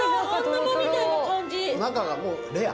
中がもうレア。